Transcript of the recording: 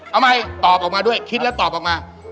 เอาใหม่ตอบออกมาด้วยคิดแล้วตอบออกมา